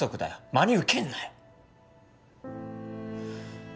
真に受けんなよ